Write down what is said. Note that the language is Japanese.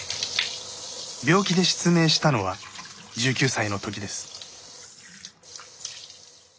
病気で失明したのは１９歳のときです。